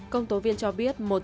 công tố viên cho biết